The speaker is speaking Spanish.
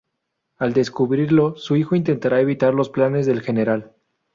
Al descubrirlo, su hijo intentará evitar los planes del general.